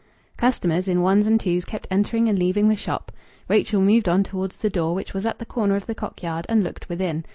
Customers in ones and twos kept entering and leaving the shop. Rachel moved on towards the door, which was at the corner of the Cock yard, and looked within.